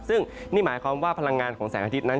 ซึ่งนี่หมายความว่าพลังงานของแสงอาทิตย์นั้น